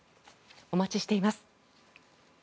お待ちしています。